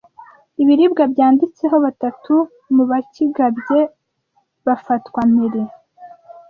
ibiribwa byanditseho batatu mu bakigabye bafatwa mpiri